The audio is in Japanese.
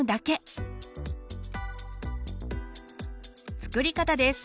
作り方です。